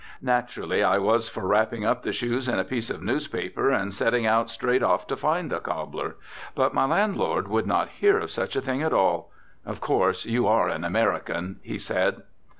Naturally I was for wrapping up the shoes in a piece of newspaper and setting out straight off to find a cobbler. But my landlord would not hear of such a thing at all. "Of course you are an American," he said.